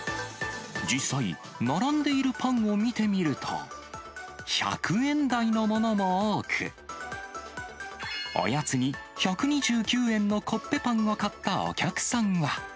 実際、並んでいるパンを見てみると、１００円台のものも多く、おやつに１２９円のコッペパンを買ったお客さんは。